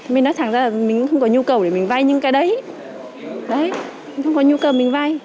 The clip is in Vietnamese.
mình nói thẳng ra là mình không có nhu cầu để mình vay những cái đấy mình không có nhu cầu mình vay